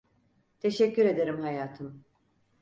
Teşekkür ederim hayatım.